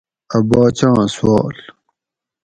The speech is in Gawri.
ا باچاں سوال